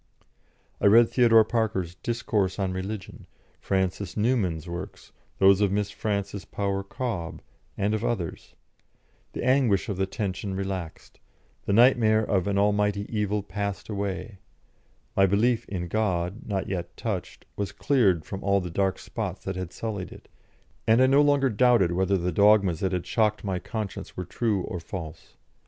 I read Theodore Parker's "Discourse on Religion," Francis Newman's works, those of Miss Frances Power Cobbe, and of others; the anguish of the tension relaxed; the nightmare of an Almighty Evil passed away; my belief in God, not yet touched, was cleared from all the dark spots that had sullied it, and I no longer doubted whether the dogmas that had shocked my conscience were true or false.